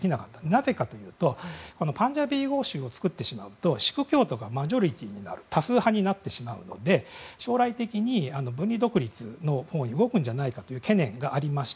なぜかというとパンジャブ語を作ってしまうとシーク教徒が多数派になってしまうので将来的に分離独立のほうに動くのではないかという懸念がありました。